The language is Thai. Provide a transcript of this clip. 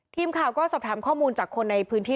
ทีมข่าวก็สอบถามข้อมูลจากคนในพื้นที่